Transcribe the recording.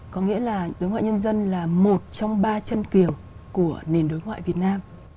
có nghĩa là đối ngoại nhân dân là một trong ba chân kiều của nền đối ngoại việt nam